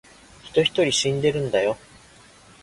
人一人死んでるんだよ